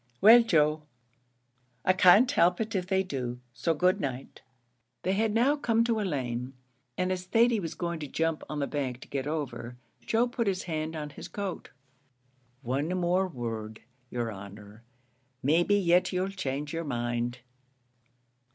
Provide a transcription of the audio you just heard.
"Well, Joe, I cant help it if they do, so good night." They had now come to a lane, and as Thady was going to jump on the bank to get over, Joe put his hand on his coat. "One more word, yer honer, may be yet you'll change your mind."